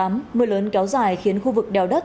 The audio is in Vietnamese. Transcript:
mưa lớn kéo dài khiến khu vực đèo đất